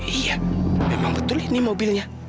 iya memang betul ini mobilnya